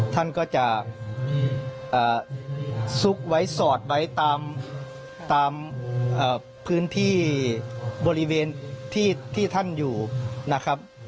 ท่านก็จะซุกไว้สอดไว้ตามพื้นที่บริเวณที่ท่านอยู่นะครับ